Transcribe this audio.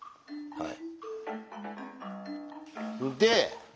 はい。